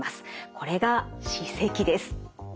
これが歯石です。